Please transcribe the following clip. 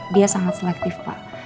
dia sangat selektif pak